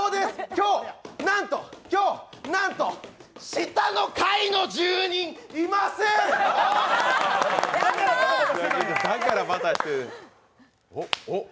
今日、なんと、今日、なんと、下の階の住人、いませんイエース。